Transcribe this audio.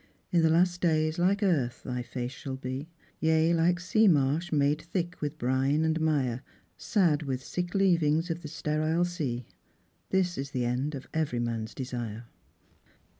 In the last days like earth thy face shall be. Yea, like sea marsh made thick with brine and mire, Sad with sick leavings of the sterile sea This is the end of every man's desire."